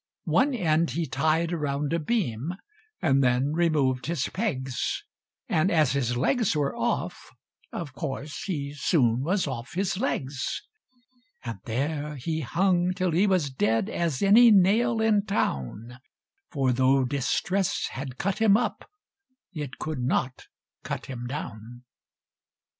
One end he tied around a beam, And then removed his pegs, And, as his legs were off, of course, He soon was off his legs! And there he hung, till he was dead As any nail in town, For though distress had cut him up, It could not cut him down!